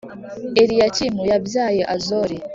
Eliyakimu yabyaye Azori,